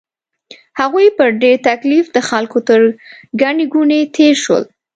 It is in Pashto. هغوی په ډېر تکلیف د خلکو تر ګڼې ګوڼې تېر شول.